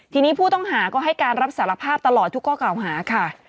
ทีนี้ผู้ต้องหาก็ให้การรับสารภาพตลอดทุกข้อเก่าหาค่ะ